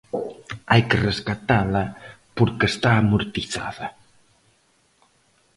Hai que rescatala porque está amortizada.